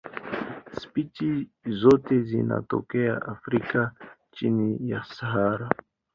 Spishi zote zinatokea Afrika chini ya Sahara.